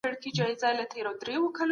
د جګړي پیل د ټولو پلانونو مخه ونیوله.